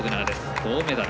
銅メダル。